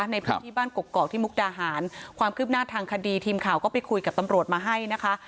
ในพื้นที่บ้านกกอกที่มุกดาหารความคืบหน้าทางคดีทีมข่าวก็ไปคุยกับตำรวจมาให้นะคะ